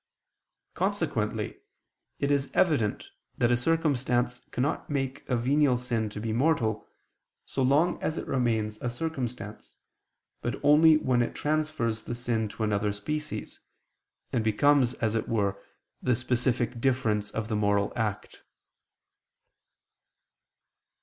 Consequently it is evident that a circumstance cannot make a venial sin to be mortal, so long as it remains a circumstance, but only when it transfers the sin to another species, and becomes, as it were, the specific difference of the moral act.